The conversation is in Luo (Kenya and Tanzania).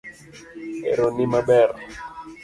Ero in maber.